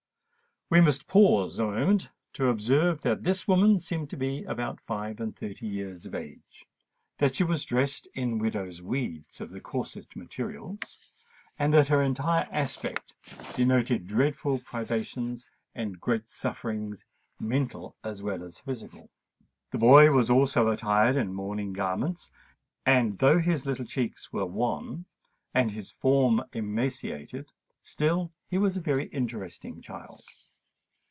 We must pause a moment to observe that this woman seemed to be about five and thirty years of age; that she was dressed in widow's weeds of the coarsest materials; and that her entire aspect denoted dreadful privations and great sufferings, mental as well as physical. The boy was also attired in mourning garments; and though his little cheeks were wan, and his form emaciated, still was he a very interesting child.